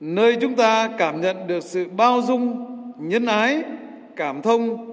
nơi chúng ta cảm nhận được sự bao dung nhân ái cảm thông